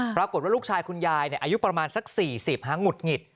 ปรากฏว่าลูกชายคุณยายอายุประมาณสัก๔๐หงุดหงิด